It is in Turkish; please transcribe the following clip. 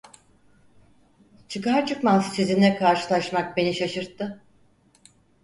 Çıkar çıkmaz sizinle karşılaşmak beni şaşırttı…